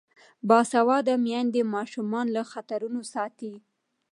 باسواده میندې ماشومان له خطرونو ساتي.